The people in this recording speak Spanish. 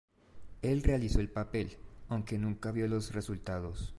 Él realizó el papel, aunque nunca vio los resultados.